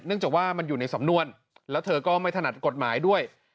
จากว่ามันอยู่ในสำนวนแล้วเธอก็ไม่ถนัดกฎหมายด้วย